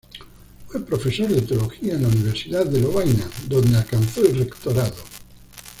Fue profesor de Teología en la Universidad de Lovaina, donde alcanzó el rectorado.